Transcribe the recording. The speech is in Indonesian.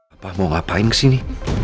apa mau ngapain kesini